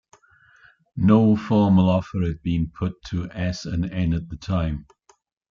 No formal offer had been put to S and N at the time.